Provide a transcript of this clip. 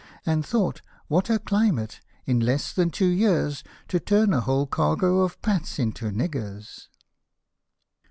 And thought, what a climate, in less than two years, To tuYViAi whole cargo of Pats into niggers